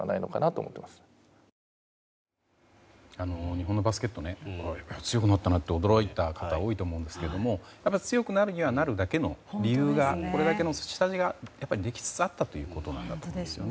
日本のバスケット強くなったなと驚いた方、多いと思うんですけど強くなるにはなるだけの理由がこれだけの下地ができつつあったということなんだと思います。